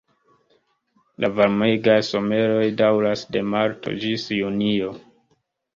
La varmegaj someroj daŭras de marto ĝis junio.